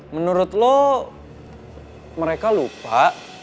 menurut lo mereka lupa